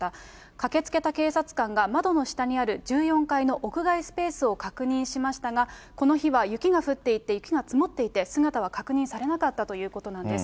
駆けつけた警察官が、窓の下にある１４階の屋外スペースを確認しましたが、この日は雪が降っていて、雪が積もっていて、姿は確認されなかったということなんです。